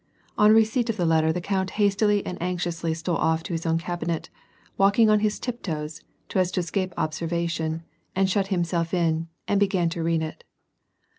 On receipt of the k'tter, the count hastily and anxiously stole off to his own cabinet walking on his tiptoes, so as to escape observation, and shut himself in, and Lt ^an to read it.